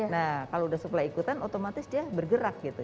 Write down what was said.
nah kalau sudah supply ikutan otomatis dia bergerak gitu